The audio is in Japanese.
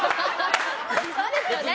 そうですよね！